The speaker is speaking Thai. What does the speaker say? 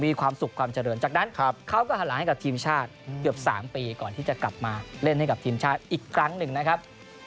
มีความสุขความเจริญจากนั้นเขาก็หันหลังให้กับทีมชาติเกือบ๓ปีก่อนที่จะกลับมาเล่นให้กับทีมชาติอีกครั้งหนึ่งนะครับ